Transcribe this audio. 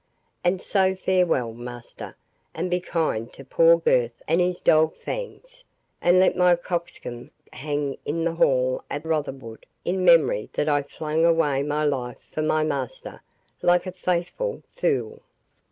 And so farewell, master, and be kind to poor Gurth and his dog Fangs; and let my cockscomb hang in the hall at Rotherwood, in memory that I flung away my life for my master, like a faithful— fool."